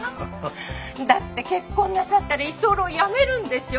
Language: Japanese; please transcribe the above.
だって結婚なさったら居候やめるんでしょ？